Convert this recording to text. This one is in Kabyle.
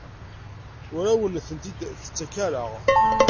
Ur awen-tent-id-tettak ara?